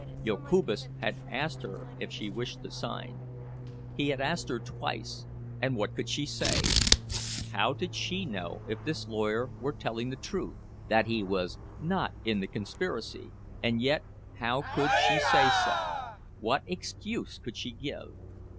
Jokubas had asked her if she wished to sign; he had asked her twice—and what could she say? How did she know if this lawyer were telling the truth—that he was not in the conspiracy? And yet, how could she say so—what excuse could she give?